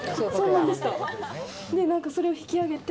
それを引き揚げて。